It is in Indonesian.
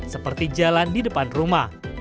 seperti jalan di depan rumah